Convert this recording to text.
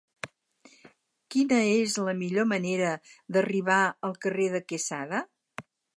Quina és la millor manera d'arribar al carrer de Quesada?